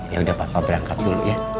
yaudah papa berangkat dulu ya